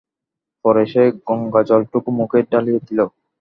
পরে সে গঙ্গাজলটুকু মুখে ঢালিয়া দিল।